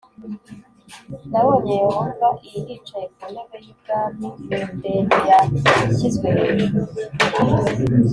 nabonye Yehova l yicaye ku ntebe y ubwami m ndende yashyizwe hejuru